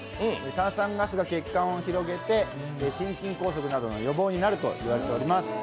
炭酸ガスが血管を広げて心筋梗塞などの予防になると言われています。